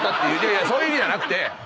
いやそういう意味じゃなくて！